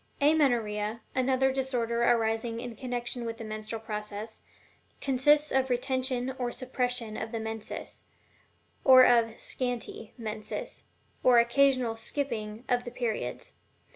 AMENORRHEA, another disorder arising in connection with the menstrual process, consists of the retention or suppression of the menses, or of "scanty" menses, or occasional "skipping" of the periods.